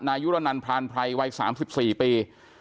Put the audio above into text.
นานพรานไพรวัย๓๔ปี